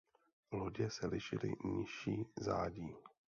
Lodě se lišily nižší zádí.